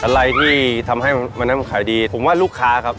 อะไรที่ทำให้วันนั้นมันขายดีผมว่าลูกค้าครับ